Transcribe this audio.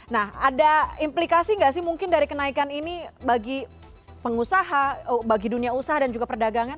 nah ada implikasi nggak sih mungkin dari kenaikan ini bagi pengusaha bagi dunia usaha dan juga perdagangan